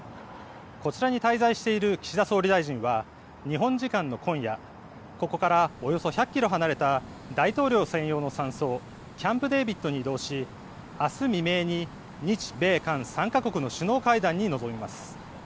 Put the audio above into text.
こちらに滞在している岸田総理大臣は日本時間の今夜、ここからおよそ１００キロ離れた大統領専用の山荘、キャンプ・デービッドに移動しあす未明に日米韓３か国の首脳会談に臨みます。